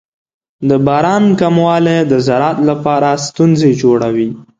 د باران کموالی د زراعت لپاره ستونزې جوړوي.